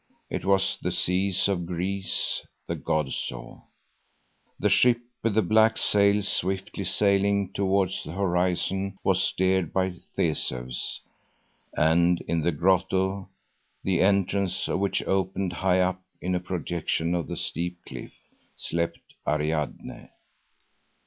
It was the seas of Greece the god saw. The ship with the black sails swiftly sailing towards the horizon was steered by Theseus and in the grotto, the entrance of which opened high up in a projection of the steep cliff, slept Ariadne.